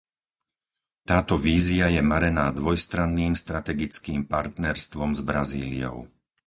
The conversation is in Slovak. Táto vízia je marená dvojstranným strategickým partnerstvom s Brazíliou.